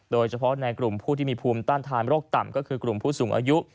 โดยเฉพาะในกลุ่มผู้ที่มีภูมิต้านทานโรคต่ำก็คือกลุ่มผู้สูงอายุ